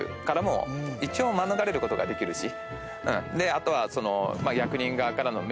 あとは。